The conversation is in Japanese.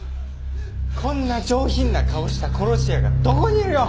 こんな上品な顔した殺し屋がどこにいるよ！